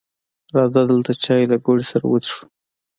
راځه دلته چای له ګوړې سره وڅښو